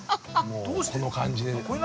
この感じで。